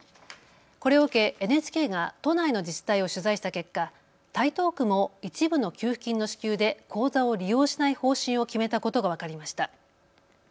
これを受けＮＨＫが都内の自治体を取材した結果、台東区も一部の給付金の支給で口座を利用しない方針を決めたことが分かりました。